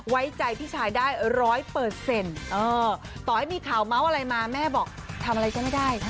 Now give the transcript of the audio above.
ไว้ใจพี่ชายได้ร้อยเปอร์เซ็นต์ต่อให้มีข่าวเมาะอะไรมาแม่บอกทำอะไรฉันไม่ได้